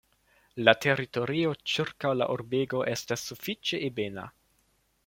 La teritorio ĉirkaŭ la urbego estas sufiĉe ebena.